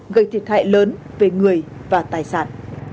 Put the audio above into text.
gây thiệt hại lớn về người và tài sản